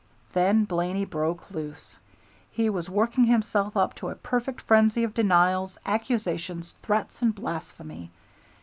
Then Blaney broke loose. He was working himself up to a perfect frenzy of denials, accusations, threats, and blasphemy.